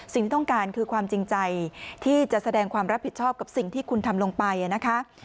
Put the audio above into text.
สิ่งที่ต้องการคือความจริงใจที่จะแสดงความรับผิดชอบกับสิ่งที่คุณทำลงไปนะคะ